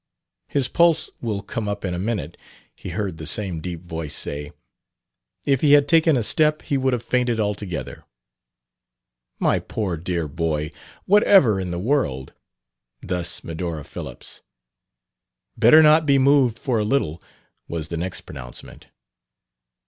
"His pulse will come up in a minute," he heard the same deep voice say. "If he had taken a step he would have fainted altogether." "My poor, dear boy! Whatever in the world...!" Thus Medora Phillips. "Better not be moved for a little," was the next pronouncement.